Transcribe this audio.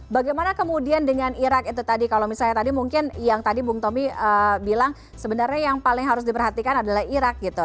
bagaimana kemudian dengan irak itu tadi kalau misalnya tadi mungkin yang tadi bung tommy bilang sebenarnya yang paling harus diperhatikan adalah irak gitu